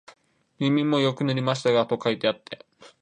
耳にもよく塗りましたか、と書いてあって、